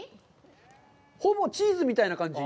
ほぼチーズみたいな感じ！